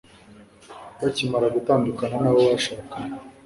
bakimara gutandukana n'abo bashakanye